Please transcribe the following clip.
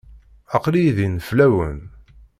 Aql-iyi din fell-awen.